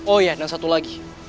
oh iya dan satu lagi